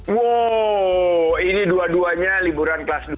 wow ini dua duanya liburan kelas dua